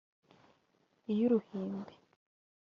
iy’uruhimbi